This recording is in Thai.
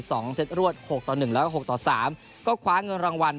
เซตรวดหกต่อหนึ่งแล้วก็หกต่อสามก็คว้าเงินรางวัล